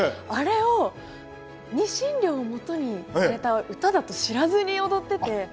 あれをニシン漁をもとにされた歌だと知らずに踊ってて。